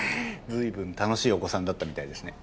ずいぶん楽しいお子さんだったみたいですね。